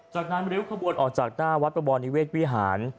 จากนั้นริ้วขบวนออกจากหน้าวัดประบรนิเวศวิหาร